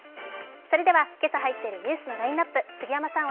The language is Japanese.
それでは今朝入っているニュースのラインナップ、杉山さん